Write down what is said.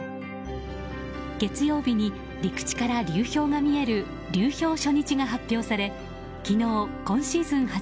月曜日に、陸地から流氷が見える流氷初日が発表され昨日、今シーズン